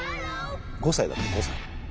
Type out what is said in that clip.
５歳だったの５歳。